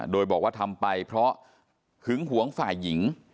โดยบอกว่าทำไปเพราะหึงหวงฝ่ายหญิง